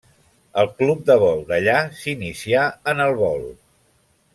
Al Club de Vol d'allà s'inicià en el vol.